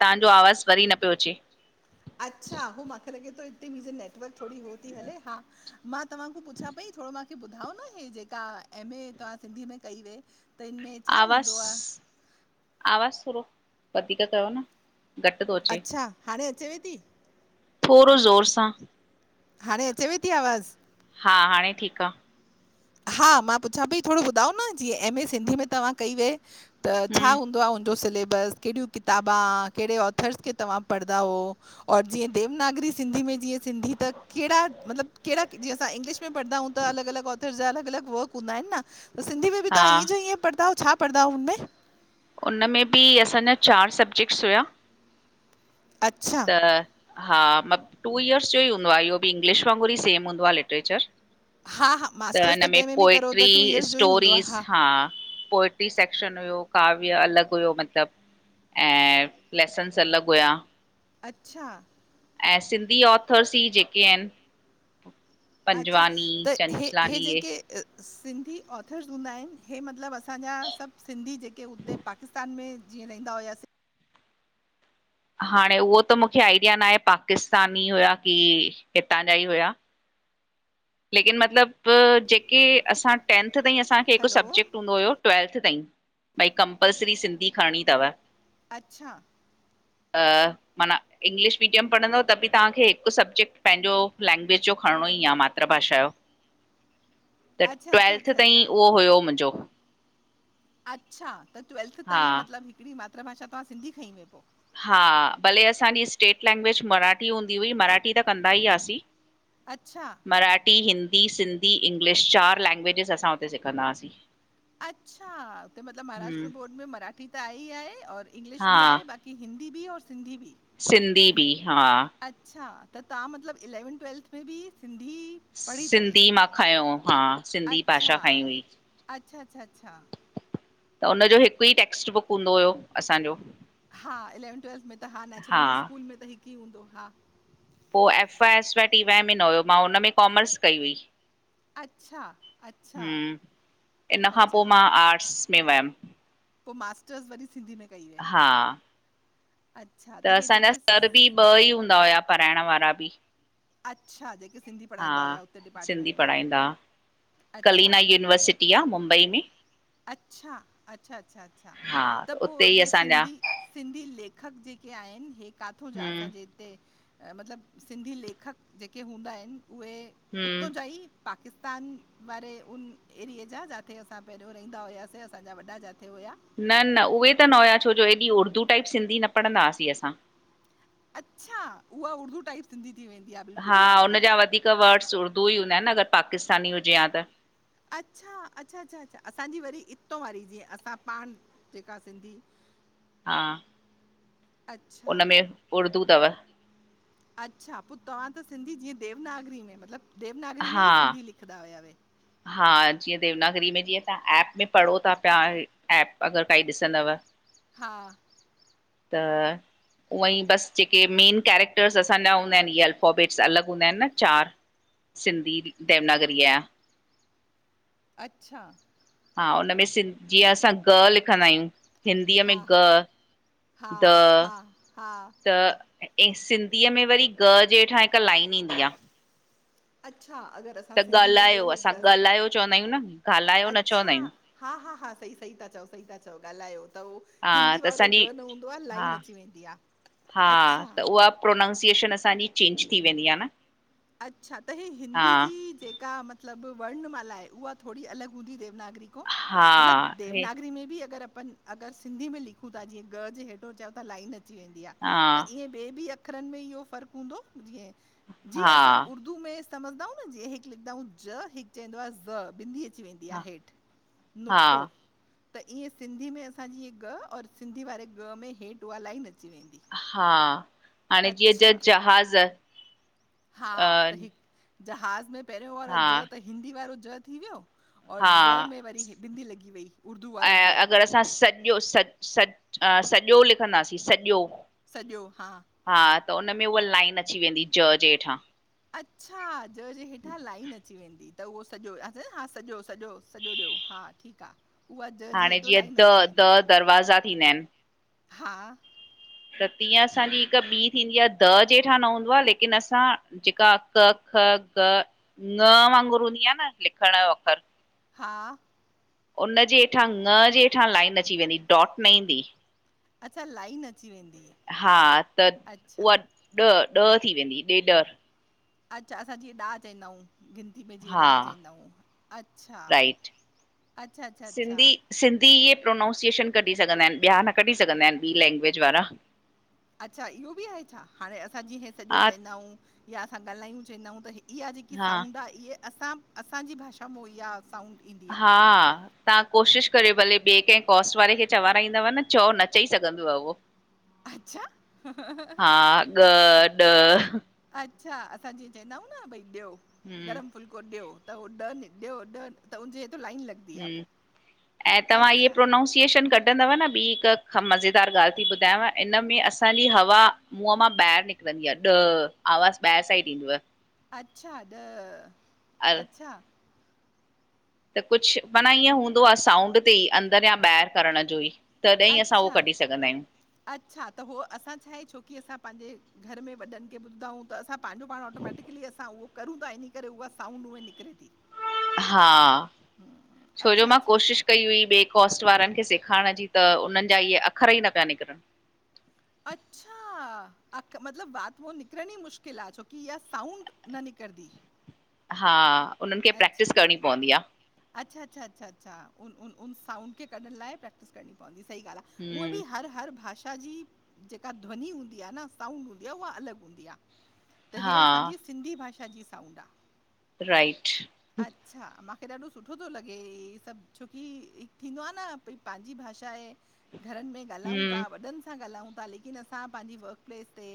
तांजो आवाज़ वरी न पयो अचे। अच्छा वो माँखे लॻे थोे इते मुंजे नेटवर्क थो होत हले हा मां। तव्हां खां पुछां पई थोरो मांखे ॿुधा न हे जेका एम ए तव्हां सिंधीअ में कई वई त हिनन में। आवाज़ आवाज़ थोरो वधीक कयो न। घटि थो अचे अच्छा हाणे अचेव थी? थोरो ज़ोर सां। हाणे अचेवे थी आवाज़? हा हाणे ठीक आ। हा मां पुछां पई थोरो ॿुधायो न जीअं एमए सिंधी में तव्हां कई वई‌ त छा हम्म हूंदो आहे हुनजो सिलेबस, कहिड़ियूं किताबा कहिड़े ऑथर्स खे तव्हां पढ़ंदा हु। और जीअं देवनागरी सिंधी में जीअं सिंधी त कहिड़ा मतलब कहिड़ा जीअं असां इंगलिश पढ़ंदाऊूं त अलॻि अलॻि ऑथर जा अलि अलॻि वर्क हूंदा आहिनि न सिंधी में हा त्हां ईअं जो ईअं पढ़ंदायो छाा पढदा हुन में। उन में बि असांजा चार सबजेक्ट्स हुया। अछा त हा मत टू इयर्स जो ई हूंदो आ इहो बि, इंग्लिश वांगुरु ही सेम हूंदो आ लिटरेचर। हा हा त मास्टर्स हिन में कंहिं बि करो त पोएट्री, टू इयर्स जो ई हूंदो स्टोरीस आहे हा पोट टी सेक्शन हुयो काव्य अलॻ हुयो मतलब ऐं लेसन्स अलॻ हुया। अच्छा ऐं सिंधी ऑथर्स ही जेके आहिनि। अच्छा पंजवानी त इ इहे चंचलानी जेके सिंधी ऑथर्स हूंदा आहिनि हे मतलब असांजा सब सिंधी जेके उते पाकिस्तान में जीअं रहंदा हुआसीं हाणे उहो त मूंखे आइडिया न आहे पाकिस्तानी हुया की हितां जा ही हुया। लेकिन मतलब जेके असां टेंथ ताईं असांखे हिकु हलो, सबजेक्ट हूंदो हुयो। ट्वैेल्थ ताईं भाई कंपलसरी सिंधी खणणी तव। अच्छा [unintelligible] माना इंग्लिश मीडियम पढ़ंदव त बि तव्हांखे हिकु सब्जेक्ट पंहिंजो लैंग्वेज जो खणणो ई आ मां मातृभाषा जो, त अच्छा, अच्छा, ट्वैेल्थ अच्छा, अच्छा, ताईं उहो हुयो मुंजो। अच्छा त ट्वैल्थ हा ताईं मतलब हिकड़ी मातृभाषा तव्हां सिंधी खई हुई पो? हा, भले असांजी स्टेट लैंग्वेज मराठी हूंदी हुई, मराठी त कंदा ही हआसीं। अचछा! मराठी, हिंदी, सिंधी, इंग्लिश चार लैंग्वेजिस असां हुते सिखंदा हुआसीं। अच्छा उते मतलब महाराष्ट्र हम्म बोर्ड में मराठी त आहे ही आहे और इंग्लिश हा बि आहे बाक़ी की हिंदी बि और सिंधी बि। सिंधी बि हा। अच्छा त तव्हां मतलब इलैवं ट्वैेल्थ में बि सिंधी पढ़ी अथव? सिंधी मां खयो हो सिंधी अच्छा, भाषा खई हुई। अच्छा, अच्छा, अच्छा। त हुनजो हिकु ही टेक्स्ट बुक हूंदो हुयो असांजो। हा इलेवन ट्वेल्थ में त, हा नैचुरली स्कूल में त हिक ही हूंदो, हा। पोइ F आाए F Y T Y में न हुयो मां हुनन में कॉमर्स कई हुई। अच्छा, अच्छा, हम्म इन खां अच्छा, पो, मां आर्ट्स में वयम। पो मास्टर्स वरी सिंधी में कई हुई? हा अच्छा, त हे असांजा जेके सर स- बि ॿ ही हूंदा हुया पढ़ाइण वारा बि। अच्छा जेके सिंधी हा पढ़ाईंदा हुआ हुते सिंधी डिपार्टमेंट में। पढ़ाईंदा हा अच्छा, कलीना यूनिवर्सिटी आ मुंबई में। अच्छा अच्छा अच्छा अच्छा हा त पो उते ई हे असांजा सिंधी सिंधी लेखक जेके आहिनि हे काथों जा हम्म असांजे हिते मतलब सिंधी लेखक जेके हूंदा आहिन उहे हम्म उतो जा ई पाकिस्तान, वारे उन एरिए जा, जाते असां पहि रौं, रहींदा हुयासे असांजा वॾा जाथे हुया। न न उहे त न हुया, छो जो एॾी उर्दू टाइप सिंधी न पढ़दां हासीं असां। अच्छा, उहा उर्दू टाइप सिंधी थी वेंदी आ, बिल्कुल उहा वारी। त, वर्ड्स उर्द ई हूंदा एन, न अगर पाकिस्तानी हुजे हां त। अच्छा, अच्छा अच्छा अच्छा, असांजी वरी इतों वारी जीअं असां पान् जेका सिंधी हा, अच्छा उनमें उर्दू तव। अच्छा, पो तव्हां त सिंधी जीअं देवनागरी में, मतलब देवनागरी में हा ई सिंधी लिखदा हुयावे। हा, जीअं देवनागरी में जीअं तव्हां ऐप में पढ़ो ता पया, एप अगर काई ॾिसंदव। हा त उअंई बस जेके मेन कैरेक्टर्स असांजा हूंदा एन, हे अल्फॉबेट्स अलग हूंदा एन न चार। सिंधी देवनागरीअ जा। अच्छा हा, हुनमें सिं जीअं असां ग लिखंदायूं, हिंदीअ में हा ग़। हा हा हा त, सिंधीअ में वरी ग जेठां हिक लाइन ईंदी आ। अच्छा, अगर अस् त, ॻालायो असां ॻालायो चवंदा आयूं, न ॻाल्हायो न अच्छा चवंदायूं। हा हा हा, सही सही ता चओ, सही ता चओ, ॻाल्हायो त हू हा हिंदी त वारो असांजी ग न हूंदो आ, हा लाइन अची वेंदी आ, अच्छा! प्रोनांसिएशन असांजी चेंज थी वेंदी आ न। अच्छा, त हे हा हिंदी जी जेका मत् मतलब वर्ण मालाए, उहा थोडी अलग हूंदी देवनागरी खौ? हा मतलब हे देवनागरी में भी अगर अपन अगर सिंधी में लिखूं ता, जीअं ग जे हेठों चयो ता लाइन अची वेंदी आ, हा त ईएं ॿे बि अख़रन में इहो फर्क़ हूंदो जीएं, जे, हा एस उर्दू में समझदाऊं जीञं हिक लिखदायूं हिक ज, हिक चैंदो आ ज़ विंदी अची अची वेंदी आह हा हेठ, हा नुख्तो। त, ईंएं सिंधी में असांजी हे ग और सिंधी वारे ॻ में हेठ उहा लाइन अची वेंदी। हा, हाणे जीअं ज अच्छा। जहाज़ हा, त हिक जहाज़ में पहरयों वारो हा ज त हिंदी वारो ज थी व्यो और हा ज़ में वरी बिंदी लॻी वई। उर्दू वारो ज़ ऐं, अगर असां सॼो स सॼो लिखंदासीं सॼो सॼो हा! हा, त उन में उहा लाइन अची वेंदी ज जे हेठां। अच्छा, ज जे हेठां लाइन अची वेंदी, त उहो सॼो सॼो सॼो सॼो ॾयो, हा ठीक आ। उहा ज जे हाणे हेॾो जीअं लाइन त, अची त वेंदी दरवाज़ा थींदा एन। हा त तीअं असांजी हिक ॿीं थींदी आ, द जेठां न हूंदो आ, लेकिन असां जेका क, ख, ग, न वांगुर न हूंदी आ न लिखण जो अखर हा उन जे हेठां, न जे हेठां लाइन अची वेंदी, डॉट न ईंदी। अच्छा, लाइन अची वेंदी ही। हा त उहा ॾह ॾह थी वेंदी हुई, ॾेढ ॾ अच्छा असां जिंअ ॾाह चईंदाऊं हूं! गिनती में जीअं हा ॾाह चईंदाउं, राइट हअच्छा- अच्छा अच्छा अच्छा। सिंधी सिंधी इहे प्रोनाउंसिएशन कढी सघंदा आहिन, ॿिया न कढी सघंदा आहिन ॿी लेंंग्वेज वारा। अच्छा इहो बि आहे छा? हाणे असां जीअं इ सॼो हा चवंदा आहियूं या असां ॻाल्हायूं चवंदाऊूं त इहा जेकी हा साउंड आ, इहे असां असांजी भाषा मां इहा साउंड ईंदी आहे। हा तां कोशिश कयोयो भले ॿिए कंहिं कॉस्ट वारे खे चवाराईंदव न, चओ, न चई सघंदव उहो। अच्छा? हा, अ ग ॾ अच्छा असां जीअं चवंदा आहियूं न भई ॾियो हम्म गरम फुल्को ॾियो त उहो डन ॾियो डन त हुनजे हेतो लाइन लॻ ऐं तव्हां इहे प्रोनाउंस सिचुएशन कढंदव न, ॿी हिकु मज़ेदार ॻाल्हि थी ॿुधायांव, इन में असांजी हवा मुंहं मां ॿाहिरि निकिरंदी आहे, ॾह, आवाज़ु ॿाहिर साइड इंदव। अच्छा, ॾ, अ अच्छा! त कुछु माना ईअं हूंदो आ साउंड ते ई अंदरि या ॿाहिरि करण जो ई। तॾहिं असां उहो अच्छा, कढी सघंदा आहियूं। अच्छा, त उहो असां छा आहे छोकि असां पंहिंजे घर में वॾनि खे ॿुधाऊं त असां पंहिंजो पाण ऑटोमैटिकली असां उहो करूं था इन करे उहा साउंड उहे निकिरे थी। हा, हम्म, छोजो अच्छा, मां अच्छा, अच्छा। कोशिश कई हुई ॿिए कॉस्ट वारनि खे सेखारण जी त उन्हनि जा इहे अख़र ई न पिया निकिरनि। अच्छा! मतिलब बात उ निकिरणी मुश्किल आ छोकि इय साउंड न निनकरंदी। हा उन्हनि खे प्रैक्टिस करणी पवंदी आ। अच्छा अचछा अछा अच्छा, उन साउंड कढण लाइ प्रक्टिस करणी पवदी, सही ॻाल् आहे। उअं हम्म बि हर- हर भाषा जी जेका ध्वन हूंदी आ न, साउंड हूंदी आ, उहा अलॻि हूंदी आ त ह हा असांजी सिंधी भाषा जी साउंड आ। राइट अच्छा मांखे ॾाढो सुठो थो लॻे ह सब छोकि थींदो आ न भई पंहिंजी भाषा आहे। घरनि में ॻाल्हायूं हम्म था, वॾनि सां ॻाल्हायूं था, लेकिन असां पंहिंजी वर्कप्लेस ते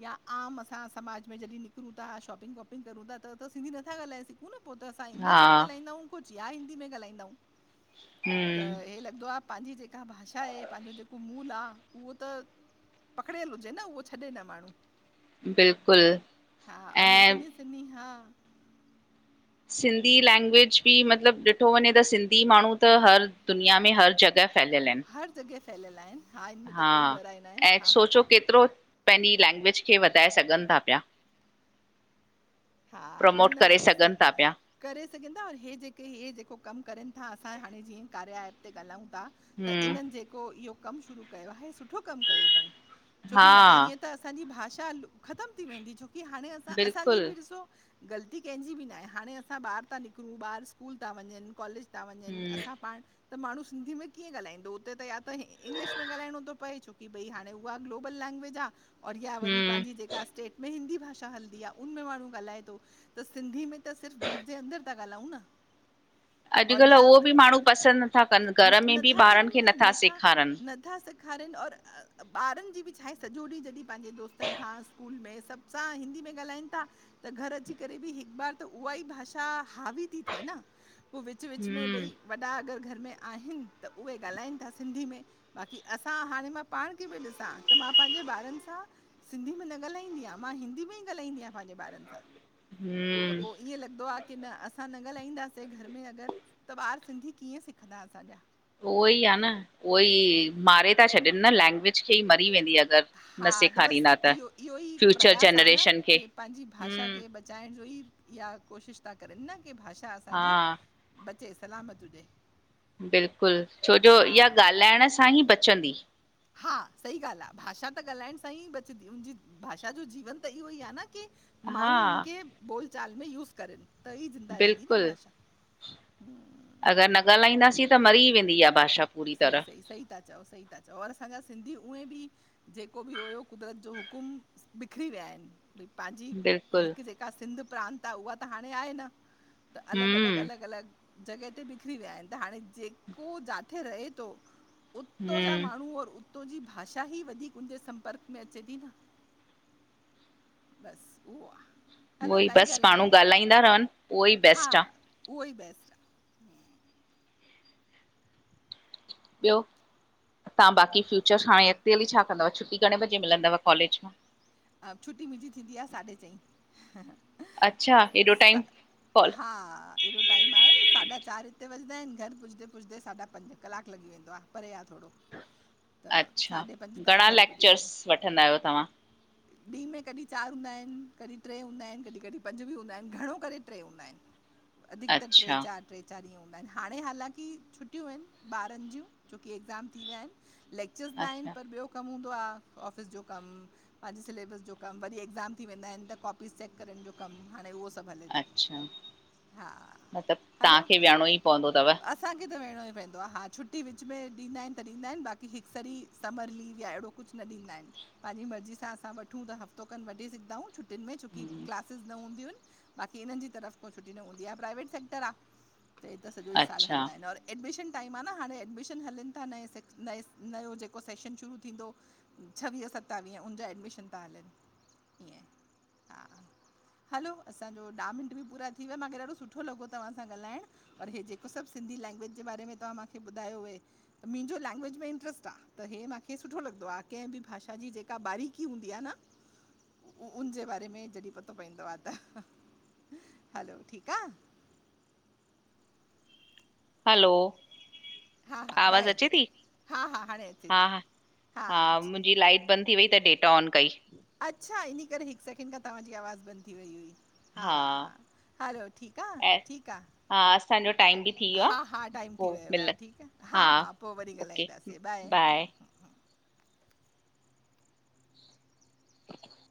या आम असां समाज में जॾहिं निकरूं था शॉपिंग वॉपिंग करूं था त असां सिंधी नथा ॻाल्हाए सघूं न। पो त असां हा इंग्लिश में ॻाल्हाईंदाऊूं कुछु या हिंदी में ॻाल्हाईंदाऊूं त हम्म हे लॻदो आ पांजी जेका भाषा आहे, पांजो जेको मूल आ उहो त पकड़ियल हुजे न, उहो छॾे न माण्हू। बिल्कुल हा और ऐं हेसन सिनी हा [unintelligible] सिंधी लैंग्वेज बि मतलबु ॾिठो वञे त सिंधी माण्हू त हर, दुनिया में हर जॻह साजल आहिनि। हर जॻहि फैलियल आहिनि। हिन में त हा कोई ॿ राय न आहिनि ऐं हा सोचो केतिरो पंहिंजी लैंग्वेज खे वधाए सघनि था पिया। हा, न, प्रमोट न करे असां सघनि था पिया! करे सघंन था और हे हे जेके इहे जेको कमु करनि था असां हाणे जीअं कार्य एप ते ॻाल्हायूं था त हम्म इन्हनि जेको इहो कमु शुरू कयो आहे, सुठो कमु कयो थऊं, छोकि हा न त ईअं त असांजी भाषा ख़तमु थी वेंदी, छोकि हाणे असां असांजी बिल्कुल बि ॾ ॻलती कंहिंजी बि न आहे, हाणे असां ॿाहिरि था निकिरूं, ॿार स्कूल था वञनि, कॉलेज था वञन हम्म असां पाण। त माण्हू सिंधी में कीअं ॻालाईंदो हुते त या त इंगलिश में ॻाल्हाइणो थो पए, छो की भई हाणे। हा ग्लोबल लैंग्वेज आ। और या वरी हम्म पंहिंजी जेका स्टेट में हिंदी भाषा हलदी आ। उन में माण्हू ॻाल्हाए थो, त सिंधी में। त सिर्फ़ घर जे अंदर था ॻाल्हायूं न। और अॼुकल्ह या उहो बि माण्हू पसंद नथा कन। न घर में बि नथा ॿारन करनि खे नथा सेखारन। न था सेखारन और ॿारनजी बि छा आहे सॼो ॾींहुं जॾहिं पंहिंजे दोस्तन खां स्कूल में सभ। असां हिंदी में ॻाल्हायन था। त घर अची करे बि हिक बार त उहा ई भाषा हावी थी थिए न। पो विच विच में हम्म भई वॾा अगर घर में आहिन त उहे ॻाल्हाइन था सिंधी में। बाक़ी, असां हाणे मां पाणखे बि ॾिसां त मां पंहिंजे ॿारनि सां। सिंधी में न ॻाल्हाईंदीयां मां हिंदी में ई ॻाल्हंद आहिया पंजे ॿारन सां। त हम्म पो, ईअं लॻंदो आ। की न, असां न ॻाल्हाईंदासीं घर में अगरि, त ॿार सिंधी कीअं सिखंदा असांजा। उहो ई आहे न। उहो ई मारे था छॾन न। लैंग्वेज खे ई मरी वेंदीअ। हा, त बस इहो, इहो ई फ्यूचर प्रयास आ जनरेशन खे नकी पंहिंजी भाषा हम्म खे बच। चांहे जो ई इहा कोशिश था करन ना की भाषा हा असांजी बचे सलामत हुजे। बिल्कुल, छोजो हा इहा ॻाल्हाइण सां ई बचंदी। हां, सही ॻाल्ह आ भाषा त ॻाल्हाइण सां ई बचंदी उजी। भाषा जो जीवन त इहो ई आहे न की हा माण्हू उनखे बोलचाल में यूज करन। बिल्कुल, अगरि न हम्म, ॻाल्हाईंदासीं त मरी वेंदी इहा भाषा। पूरी सही तरह सही, सही ता चओ। सही ता चओ। और असांजा सिंधी उएं बि। जेको बि हुयो कुदरत जो हुकुम बिखरी विया आहिन। पंहिंजी, बिल्कुलु हिकु जेका सिंध प्रांत आ त उहा त हाणे आहे न। त अलॻ, अलॻ, हम्म अलॻ, अलॻ जॻह ते बिखरी विया आहिन त हाणे जेको जात। किथे रहे थो, उतां जा हम्म माण्हू और उ। तुंहिंजी भाषा ई वधीक उजे संपर्क में अचे थी न। बस, उहो आ। उहो ई बस। पाण्हू ॻाल्हाईंदा रहन, उहो ई हा बैस्ट आ। उहो ई बैस्ट आ। ब्यो। तां बाक़ी फ्यूचर्स हाणे अॻते हली छा कंदव, छुटी घणे बजे मिलंदव कॉलेज मां। छुटी मुंहिंजी थींदी आ साढे चईं। अच्छा हेॾो टाइम सा कॉल हा। एॾो टाइम आहे, साढा चार हिते वजंदा आहिन, घर पुज़दे, पुज़दे साढा पंज कलाक लॻी वेंदो आ परे आ थोरो। [inaudible] अच्छा, साढे पंज ताईं घणा घर लेक्चर्स वठंदा आहियो तव्हां? ॾीं में कॾहिं चार हूंदा आहिन, कॾहिं ट्रे हूंदा आहिन, कॾहिं कॾहिं पंज बि हूंदा आहिन घणो करे ट्रे हूंदा आहिन। अधिकतर ट्रे अच्छा चार। ट्रे चार ॾींहं हूंदा आहिन, हाणे हालांकी छुटियूंन ॿारन जूं छोकी एक्ज़ाम थी वया आहिन। लेक्चर्स न आहिन अच्छा पर ॿियो कम हूंदो आ ऑफ़िस जो कम। अज् सिलेबस जो कम, वरी एक्ज़ाम थी वेंदा आहिन त कॉपीस चैक करण जो कम हाणे उहो। हले, थो अच्छा हा, मतिलबु हलो तव्हांखे वियणो ई पवंदो अथव अ। असांखे त वेणो ई पवंदो आ हा छुट्टी विच में ॾींदा आहिन त ॾींदा आहिन बाक़ी हिक सॾी समर लीव या अहिड़ो। कुछ न ॾींदा आहिन, पंहिंजी मर्ज़ी सां। असां सां वठूं त हफ़्तो खनि वठी सघदाऊं छटियुनि में छोकी हम्म, क्लासिस न हूंदियूं आहिनि। बाक़ी हिननि जी तरफ़ खों छुटी न हूंदी आहे, प्राइवेट सेक्टर आ, त हे त सॼो ई साल अच्छा हलंदा आहिनि और एडमिशन टाइम आ न, हाणे एडमिशन हलनि था नए से नए नयो जेको सेशन शुरू थींदो। छवीह सतावीह उनजा एडमिशन था हलनि ईअं, हा। हलो, असांजो ॾह मिंट बि पूरा थी वियो, माखे ॾाढो सुठो लॻो तव्हां सां ॻाल्हाइणु और हे जेको सभु सिंधी लैंग्वेज जे बारे में तव्हां माखे ॿुधायो हुई। मिंजो लैंग्वेज में इंट्रेस्ट आ त हे माखे सुठो लॻदो आ कंहिं बि भाषा जी जे का बारीकी हूंदी आ न उ उनजे बारे में जॾीं पतो पएंदो आ त हलो ठीकु आ। हलो, हा हा आवाज बाए अचे थी हा हा हाणे अचे हा थी हा मुंहिंजी लाइट बंदि थी वई त डेटा ऑन कई अच्छा इनी करे हिकु सेकिड खां तव्हांजी आवाज़ बंदि थी वई हुई। हा, हलो ठीकु आ, ऐं ठीकु आ। हा असांजो टाइम बि थी वियो हा आहे हा, टाइम थी पोइ वियो मिल आहे ठीकु आ हा हा पो वरी ओके ॻाल्हाईंदासी। ए बाए। [inaudible]